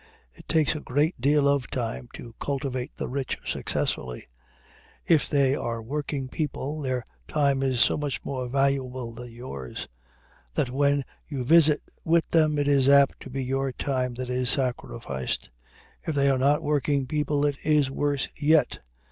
It takes a great deal of time to cultivate the rich successfully. If they are working people their time is so much more valuable than yours, that when you visit with them it is apt to be your time that is sacrificed. If they are not working people it is worse yet.